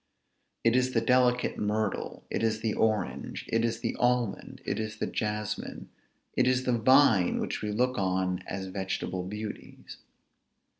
It is the delicate myrtle, it is the orange, it is the almond, it is the jasmine, it is the vine which we look on as vegetable beauties.